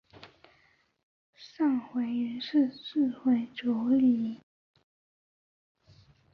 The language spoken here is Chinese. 上环原是四环九约里其中一环。